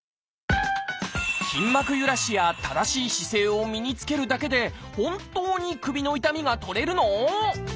筋膜ゆらしや正しい姿勢を身につけるだけで本当に首の痛みが取れるの？